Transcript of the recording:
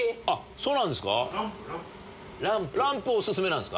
そうなんですか。